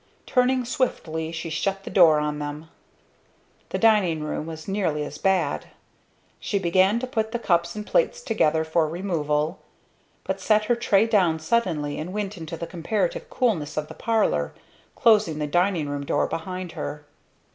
Turning swiftly she shut the door on them. The dining room was nearly as bad. She began to put the cups and plates together for removal; but set her tray down suddenly and went into the comparative coolness of the parlor, closing the dining room door behind her.